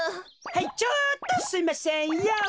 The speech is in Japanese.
はいちょっとすいませんヨー。